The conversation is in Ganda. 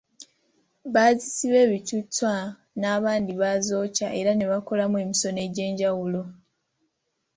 Bazisiba ebituttwa n’abandi bazokya era ne bakolamu emisono egy’enjwulo.